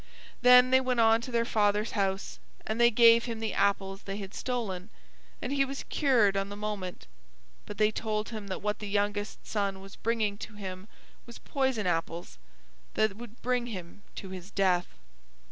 Then they went on to their father's house, and they gave him the apples they had stolen, and he was cured on the moment; but they told him that what the youngest son was bringing to him was poison apples, that would bring him to his death.